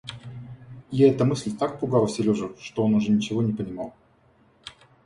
И эта мысль так пугала Сережу, что он уже ничего не понимал.